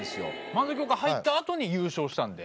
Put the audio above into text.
漫才協会入った後に優勝したんで。